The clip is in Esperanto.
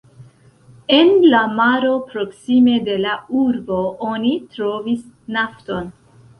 En la maro proksime de la urbo oni trovis nafton.